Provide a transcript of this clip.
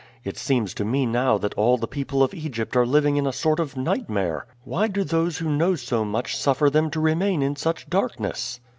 It seems to me now that all the people of Egypt are living in a sort of nightmare. Why do those who know so much suffer them to remain in such darkness?"